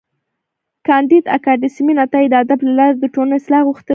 کانديد اکاډميسن عطایي د ادب له لارې د ټولني اصلاح غوښتې ده.